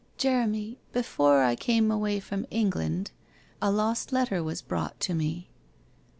* Jeremy, before I came away from England a lost letter was brought to me